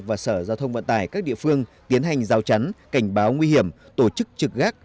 và sở giao thông vận tải các địa phương tiến hành giao chắn cảnh báo nguy hiểm tổ chức trực gác